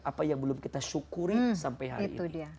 apa yang belum kita syukuri sampai hari ini